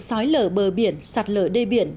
xói lở bờ biển sạt lở đê biển